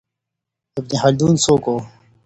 ابن خلدون څوک و؟